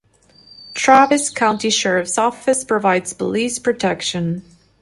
Travis County Sheriff's Office provides police protection.